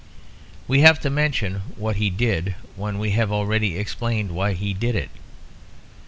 We have to mention what he did when we have already explained why he did it.